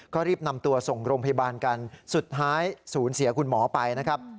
ก็รีบนำตัวส่งโรงพยาบาลกันสุดท้ายศูนย์เสียคุณหมอไปนะครับ